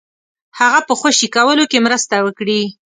هغه په خوشي کولو کې مرسته وکړي.